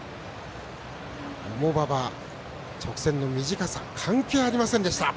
重馬場、直線の短さ関係ありませんでした。